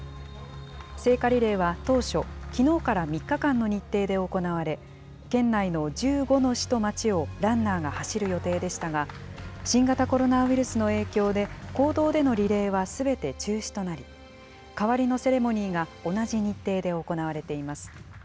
聖火リレーは当初、きのうから３日間の日程で行われ、県内の１５の市と町をランナーが走る予定でしたが、新型コロナウイルスの影響で、公道でのリレーはすべて中止となり、代わりのセレモニーが同じ日程で行われています。